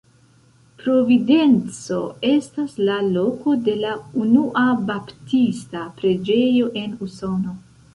Providenco estas la loko de la unua baptista preĝejo en Usono.